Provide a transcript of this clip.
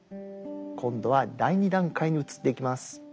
今度は第２段階に移っていきます。